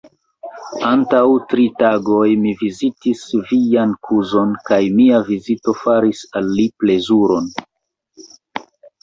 Antaŭ tri tagoj mi vizitis vian kuzon kaj mia vizito faris al li plezuron.